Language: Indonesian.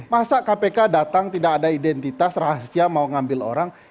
masa kpk datang tidak ada identitas rahasia mau ngambil orang